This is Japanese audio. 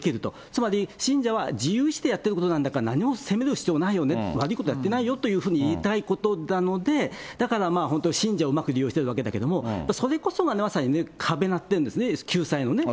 つまり、信者は自由意思でやってることなんだから、何も責める必要はないよね、悪いことやってないよと言いたいところなので、だから信者をうまく利用しているわけですけれども、それこそがまさにね、壁になっているんですね、救済のね。